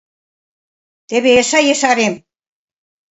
— Теве эше ешарем.